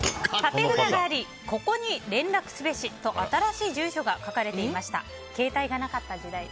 ここに連絡すべしと新しい住所が書かれていました。